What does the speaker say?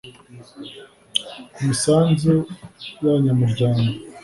ku misanzu y abanyamuryango